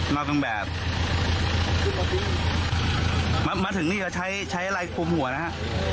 นอกจากแบบมาถึงนี่เขาใช้ใช้อะไรคุมหัวนะฮะ